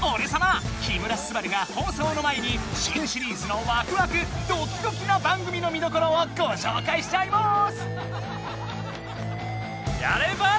木村昴が放送の前に新シリーズのワクワクドキドキな番組の見どころをごしょうかいしちゃいます！